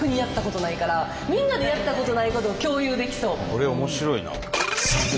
これ面白いな。